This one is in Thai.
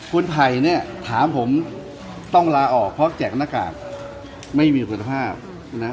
คุณไผ่เนี่ยถามผมต้องลาออกเพราะแจกหน้ากากไม่มีคุณภาพนะ